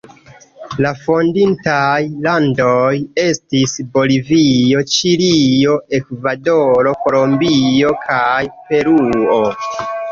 La fondintaj landoj estis Bolivio, Ĉilio, Ekvadoro, Kolombio kaj Peruo.